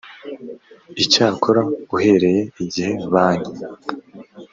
icyakora uhereye igihe banki